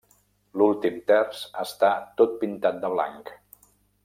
L'últim terç està tot pintat de blanc.